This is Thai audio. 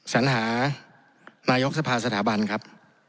สัญหานายกสภาสถาบันครับ